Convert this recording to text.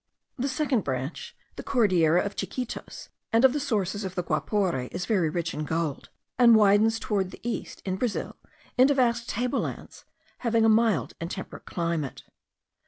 The second branch, the Cordillera of Chiquitos and of the sources of the Guapore, is very rich in gold, and widens toward the east, in Brazil, into vast tablelands, having a mild and temperate climate.